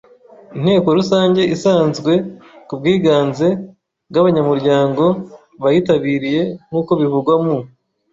Inteko Rusange isanzwe ku bwiganze bw abanyamuryango bayitabiriye nk uko bivugwa mu